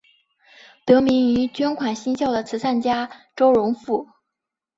得名于捐款兴校的慈善家周荣富。